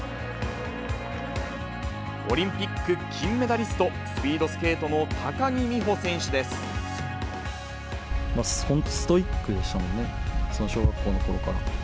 オリンピック金メダリスト、スピードスケートの高木美帆選手ストイックでしたもんね、その小学校のころから。